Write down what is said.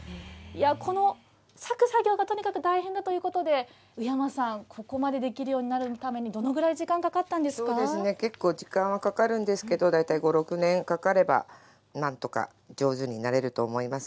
この割く作業がとにかく大変だということで、宇山さん、ここまでできるようになるために、どのぐそうですね、結構時間はかかるんですけど、大体５、６年かかればなんとか上手になれると思います。